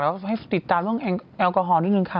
แล้วให้ติดตามเรื่องแอลกอฮอลนิดนึงค่ะ